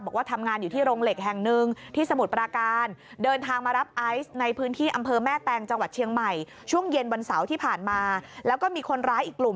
บอกว่าทำงานอยู่ที่โรงเหล็กแห่งหนึ่งที่สมุทรปราการ